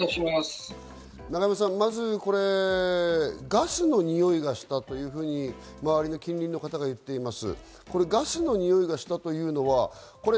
まず、ガスのにおいがしたというふうに近隣の方が言っています。